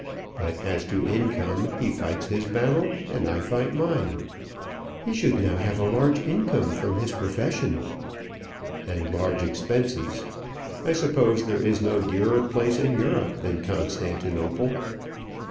But as to income, he fights his battle, and I fight mine." "He should now have a large income from his profession." "And large expenses. I suppose there is no dearer place in Europe than Constantinople."